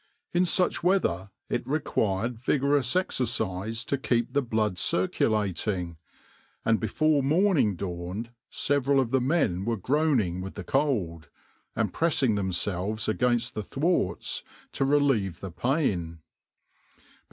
In such weather it required vigorous exercise to keep the blood circulating, and before morning dawned several of the men were groaning with the cold, and pressing themselves against the thwarts to relieve the pain.